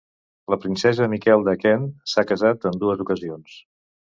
La princesa Miquel de Kent s'ha casat en dues ocasions.